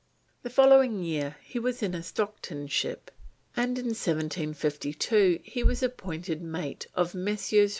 The following year he was in a Stockton ship, and in 1752 he was appointed mate of Messrs.